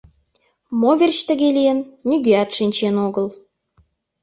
Мо верч тыге лийын, нигӧат шинчен огыл.